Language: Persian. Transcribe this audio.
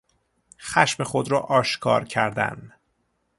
خشم خود را آشکار کردن